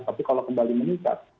tapi kalau kembali meningkat